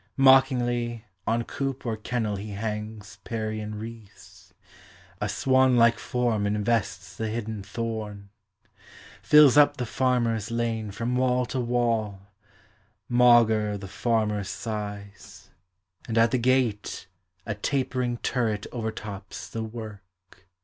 Mockingly, On coop or kennel he hangs Parian wreaths; A swan like form invests the hidden thorn; Fills up the farmer's lane from wall to wall, Maugre the farmer's sighs; and at the gate A tapering turret overtops the work.